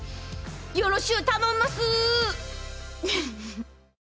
よろしゅう、頼んます。